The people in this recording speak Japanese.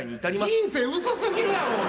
人生薄すぎるやろ。